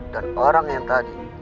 dan orang yang tadi